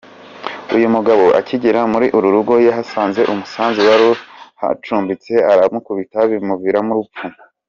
Uyu mugabo akigera muri uru rugo yahasanze umusaza wari uhacumbitse, aramukubita bimuviramo urupfu.